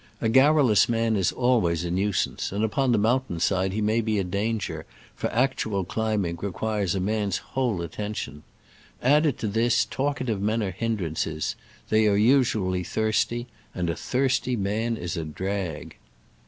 A garrulous man is always a nuisance, and upon the mountain side he may be a danger, for actual climbing requires a man's whole attention. Added to this, talkative men are hindrances : they are usually thirsty, and a thirsty man is a drag.